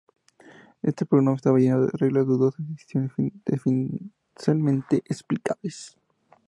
Este programa estaba lleno de reglas dudosas y decisiones difícilmente explicables.